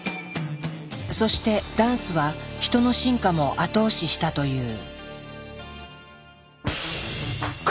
そしてダンスはヒトの進化も後押ししたという。